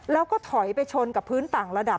แล้วก็ถอยไปชนกับพื้นต่างระดับ